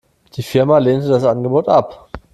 Die Firma lehnte das Angebot ab.